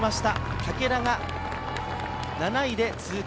武田が７位で通過。